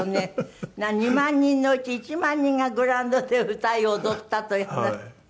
２万人のうち１万人がグラウンドで歌い踊ったというような。